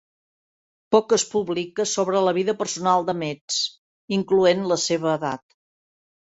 Poc es publica sobre la vida personal de Metz, incloent la seva edat.